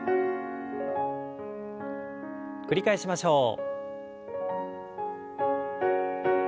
繰り返しましょう。